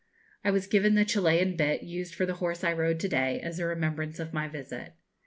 I was given the Chilian bit used for the horse I rode to day, as a remembrance of my visit.